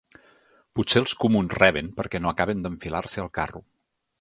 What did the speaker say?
Potser els comuns reben perquè no acaben d’enfilar-se al carro.